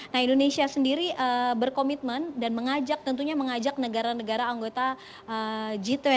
nah indonesia sendiri berkomitmen dan mengajak tentunya mengajak negara negara anggota g dua puluh